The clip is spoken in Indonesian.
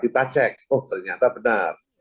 kita cek oh ternyata benar